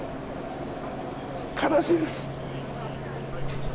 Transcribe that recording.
悲しいです。